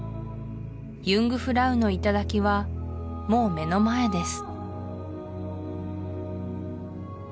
ユングフラウの頂はもう目の前です